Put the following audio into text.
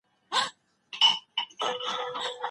صحابه کرامو له رسول الله څخه څه پوښتنه وکړه؟